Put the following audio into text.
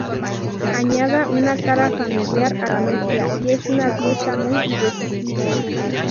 Añada una cara familiar a la mezcla, y es una fiesta muy irresistible".